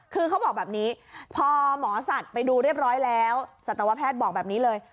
คือเขาบอกแบบนี้พอหมอสัตว์ไปดูเรียบร้อยแล้วสัตวแพทย์บอกแบบนี้เลย